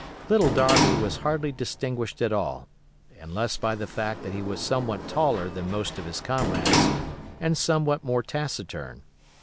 Little Darby was hardly distinguished at all, unless by the fact that he was somewhat taller than most of his comrades and somewhat more taciturn.